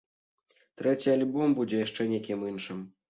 Трэці альбом будзе яшчэ нейкім іншым.